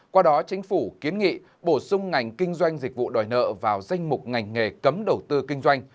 qua đó chính phủ kiến nghị bổ sung ngành kinh doanh dịch vụ đòi nợ vào danh mục ngành nghề cấm đầu tư kinh doanh